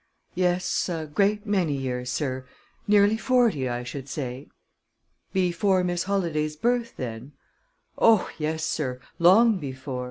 "Yes, a great many years, sir nearly forty, I should say." "Before Miss Holladay's birth, then?" "Oh, yes, sir; long before.